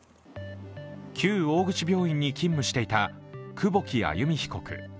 旧大口病院に勤務していた久保木愛弓被告。